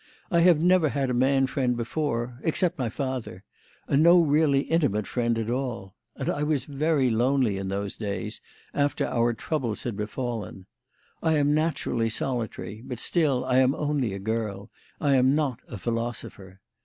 I have never had a man friend before except my father and no really intimate friend at all. And I was very lonely in those days, after our troubles had befallen. I am naturally solitary, but still, I am only a girl; I am not a philosopher.